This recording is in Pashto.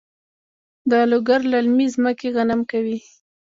د لوګر للمي ځمکې غنم کوي؟